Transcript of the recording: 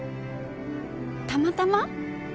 たまたま？